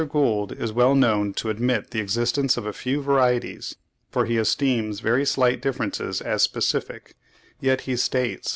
Gould is well known to admit the existence of few varieties, for he esteems very slight differences as specific; yet he states (36.